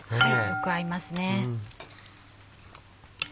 よく合いますね。